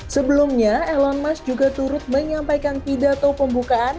sebelumnya elon musk juga turut menyampaikan pidato pembukaan